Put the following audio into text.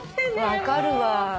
分かるわ。